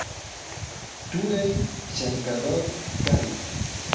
turay llamkador kan